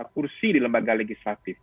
kursi di lembaga legislatif